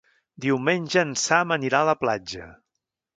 Diumenge en Sam anirà a la platja.